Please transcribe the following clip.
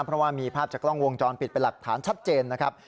เพราะว่ามีภาพจากกล้องวงจรปิดเป็นหลักฐานชัดเจนนะครับ